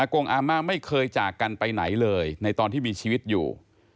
กงอาม่าไม่เคยจากกันไปไหนเลยในตอนที่มีชีวิตอยู่